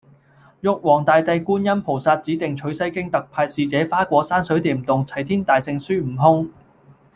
玉皇大帝觀音菩薩指定取西經特派使者花果山水簾洞齊天大聖孫悟空